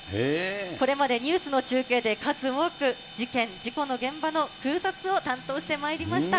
これまでニュースの中継で数多く事件、事故の現場の空撮を担当してまいりました。